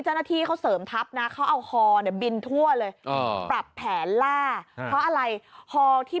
เจ้าหน้าที่เขาเสริมทัพนะเขาเอาฮอเนี่ยบินทั่วเลยปรับแผนล่าเพราะอะไรฮอที่